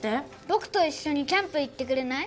僕と一緒にキャンプ行ってくれない？